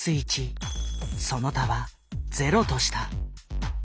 その他は０とした。